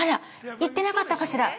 言ってなかったかしら？